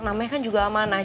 namanya kan juga amanah